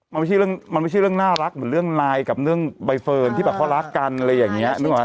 มันไม่ใช่เรื่องน่ารักเหมือนเรื่องไลน์กับเรื่องใบเฟิร์นที่เขารักกันอะไรอย่างนี้